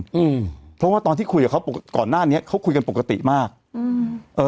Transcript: อืมเพราะว่าตอนที่คุยกับเขาก่อนหน้านี้เขาคุยกันปกติมากอืมเอ่อ